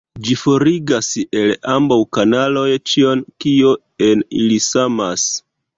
Ĝi forigas el ambaŭ kanaloj ĉion, kio en ili samas.